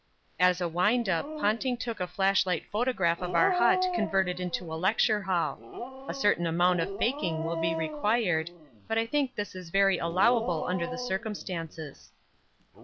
As a wind up Ponting took a flashlight photograph of our hut converted into a lecture hall: a certain amount of faking will be required, but I think this is very allowable under the circumstances.